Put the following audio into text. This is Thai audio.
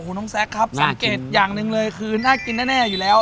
น้องแซคครับสังเกตอย่างหนึ่งเลยคือน่ากินแน่อยู่แล้ว